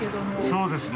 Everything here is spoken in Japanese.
そうですね。